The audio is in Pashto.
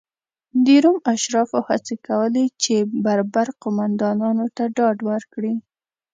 د روم اشرافو هڅې کولې چې بربر قومندانانو ته ډاډ ورکړي.